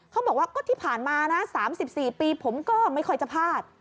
เขาบอกว่าก็ที่ผ่านมานะ๓๔ปีผมก็ไม่ค่อยจะพลาด